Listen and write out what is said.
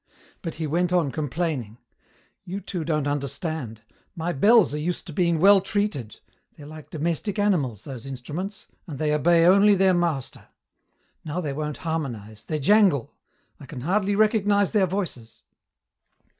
But he went on complaining. "You two don't understand. My bells are used to being well treated. They're like domestic animals, those instruments, and they obey only their master. Now they won't harmonize, they jangle. I can hardly recognize their voices."